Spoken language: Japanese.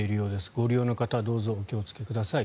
ご利用の方どうぞお気をつけください。